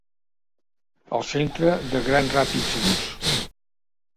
Al centre de Grand Rapids, Bus.